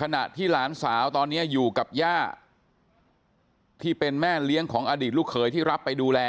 ขณะที่หลานสาวตอนนี้อยู่กับย่าที่เป็นแม่เลี้ยงของอดีตลูกเขยที่รับไปดูแล